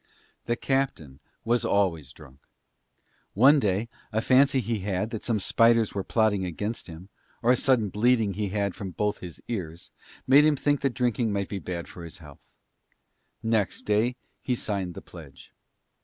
The captain was always drunk. One day a fancy he had that some spiders were plotting against him, or a sudden bleeding he had from both his ears, made him think that drinking might be bad for his health. Next day he signed the pledge.